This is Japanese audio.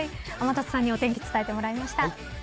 天達さんにお天気、伝えてもらいました。